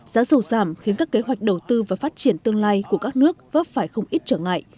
giá dầu giảm khiến các kế hoạch đầu tư và phát triển tương lai của các nước vấp phải không ít trở ngại